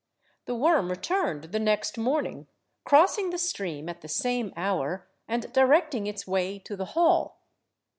The worm returned the next morning, crossing the stream at the same hour, and directing its way to the hall.